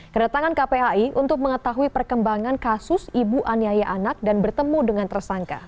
kedatangan kpai untuk mengetahui perkembangan kasus ibu aniaya anak dan bertemu dengan tersangka